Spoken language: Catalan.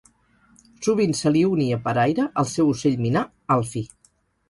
Sovint se li unia per aire el seu ocell minà Alfie.